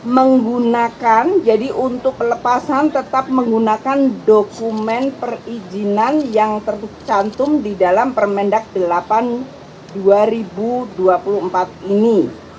menggunakan jadi untuk pelepasan tetap menggunakan dokumen perizinan yang tercantum di dalam permendak delapan dua ribu dua puluh empat ini